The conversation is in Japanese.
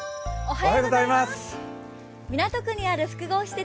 港区にある複合施設